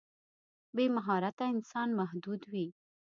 بې مهارته انسان محدود وي.